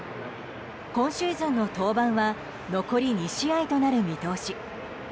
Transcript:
今シーズンの登板は残り２試合となる見通し。